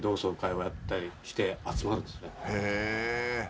「へえ」